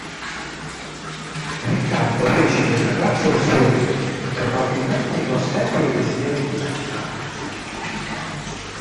Riccardo fece del ragazzo il suo erede, probabilmente in ossequio ai desideri di Anna.